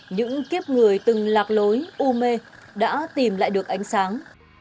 những kiếp người từng lạc lối u mê đã tìm lại được ánh sáng